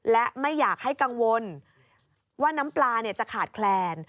และไม่อยากให้กังวลว่าน้ำปลาจะขาดแคลน